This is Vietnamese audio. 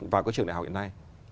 vào trường đại học hiện nay